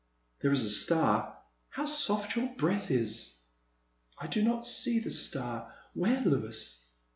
There is a star, — ^how soft your breath is." I do not see the star ; where, Louis